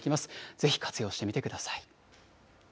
ぜひ活用してみてください。